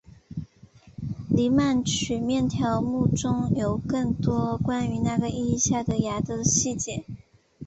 黎曼曲面条目中有更多关于那个意义下的芽的细节。